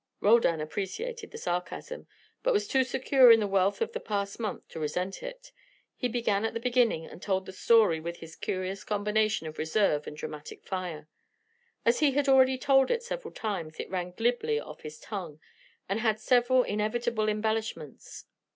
Roldan appreciated the sarcasm, but was too secure in the wealth of the past month to resent it. He began at the beginning and told the story with his curious combination of reserve and dramatic fire. As he had already told it several times it ran glibly off his tongue and had several inevitable embellishments.